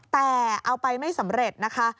แต่เอาไปไม่สำเร็จนะคะ